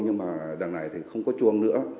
nhưng mà đằng này thì không có chuông